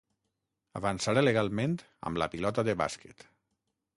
Avançaré legalment amb la pilota de bàsquet.